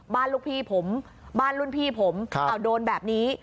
ลูกพี่ผมบ้านรุ่นพี่ผมโดนแบบนี้